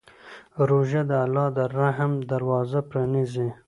روژه د الله د رحمت دروازه پرانیزي.